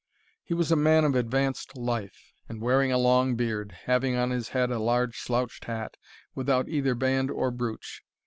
He was a man of advanced life, and wearing a long beard, having on his head a large slouched hat, without either band or brooch.